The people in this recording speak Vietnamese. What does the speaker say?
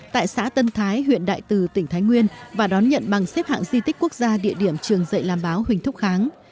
tại xã tân thái huyện đại từ tỉnh thái nguyên và đón nhận bằng xếp hạng di tích quốc gia địa điểm trường dạy làm báo huỳnh thúc kháng